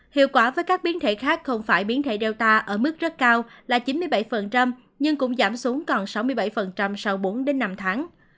hiệu quả với các biến thể khác không phải biến thể data ở mức rất cao là chín mươi bảy nhưng cũng giảm xuống còn sáu mươi bảy sau bốn năm tháng